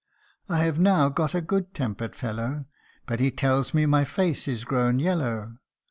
I have now got a good tempered fellow, But he tells me my face is grown yellow.